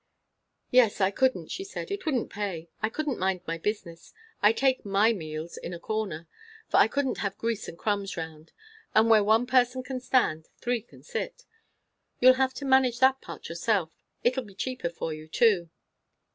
"Yes, I couldn't," she said. "It wouldn't pay. I couldn't mind my business. I take my meals in a corner; for I couldn't have grease and crumbs round; but where one person can stand, three can't sit. You'll have to manage that part yourself. It'll be cheaper for you, too."